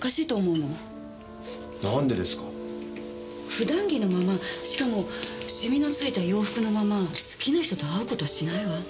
普段着のまましかもシミの付いた洋服のまま好きな人と会う事はしないわ。